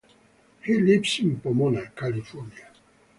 He lives in Pomona, California.